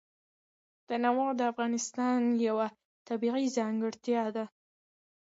تنوع د افغانستان یوه طبیعي ځانګړتیا ده.